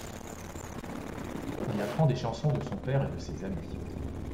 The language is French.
Il apprend des chansons de son père et de ses amis.